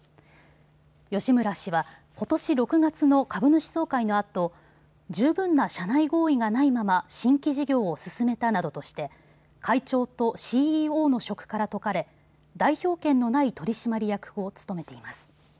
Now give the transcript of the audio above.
吉村氏はことし６月の株主総会のあと十分な社内合意がないまま新規事業を進めたなどとして会長とＣＥＯの職から解かれ代表権のない取締役を務めています。